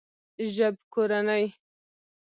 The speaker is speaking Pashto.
ژبکورنۍ